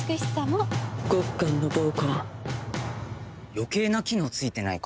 余計な機能付いてないか？